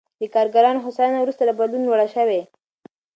د کارګرانو هوساینه وروسته له بدلون لوړ شوې.